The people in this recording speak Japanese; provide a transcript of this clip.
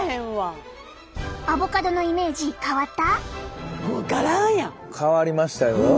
アボカドのイメージ変わった？